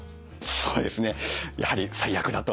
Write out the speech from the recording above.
そうですねやはり最悪だと。